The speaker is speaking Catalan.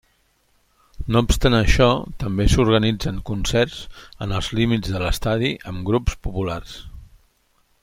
No obstant això, també s'organitzen concerts en els límits de l'estadi amb grups populars.